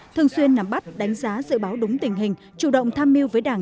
thường xuyên nắm bắt đánh giá dự báo đúng tình hình chủ động tham mưu với đảng